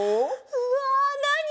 うわなに？